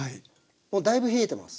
もうだいぶ冷えてます。